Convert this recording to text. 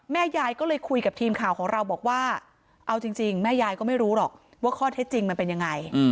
ยายก็เลยคุยกับทีมข่าวของเราบอกว่าเอาจริงแม่ยายก็ไม่รู้หรอกว่าข้อเท็จจริงมันเป็นยังไง